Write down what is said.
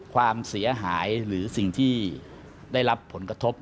ความเสียหายหรือสิ่งที่ได้รับผลกระทบ